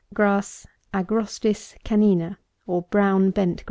}{ Agrostis Canina; or, Brown Bent 14.